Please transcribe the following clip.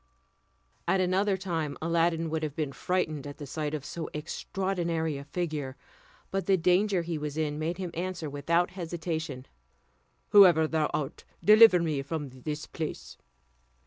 At another time Aladdin would have been frightened at the sight of so extraordinary a figure, but the danger he was in made him answer without hesitation, "Whoever thou art, deliver me from this place."